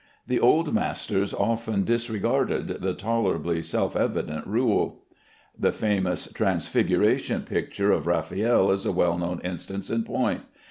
The old masters often disregarded the tolerably self evident rule. The famous Transfiguration picture of Raffaelle is a well known instance in point.